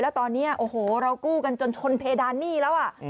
แล้วตอนนี้โอ้โหเรากู้กันจนชนเพดานหนี้แล้ว